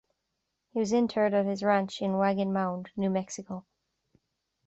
He was interred at his ranch in Wagon Mound, New Mexico.